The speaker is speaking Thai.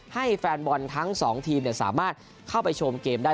แฟนบอลทั้ง๒ทีมสามารถเข้าไปชมเกมได้